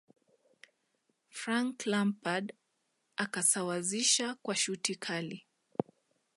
frank lampard akasawazisha kwa shuti Kali